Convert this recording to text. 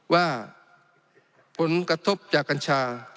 ว่าผลกระทบจากกัญชา